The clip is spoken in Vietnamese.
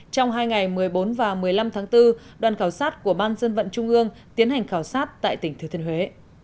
trong hai ngày một mươi bốn và một mươi năm tháng bốn đoàn khảo sát của ban dân vận trung ương tiến hành khảo sát tại tỉnh thừa thiên huế